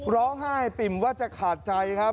ร้องไห้ปิ่มว่าจะขาดใจครับ